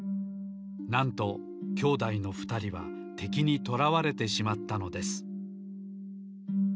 なんと兄弟のふたりはてきにとらわれてしまったのです。